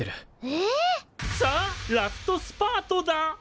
ええ！？さあラストスパートだ！